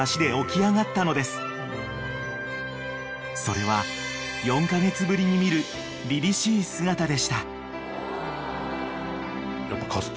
［それは４カ月ぶりに見るりりしい姿でした］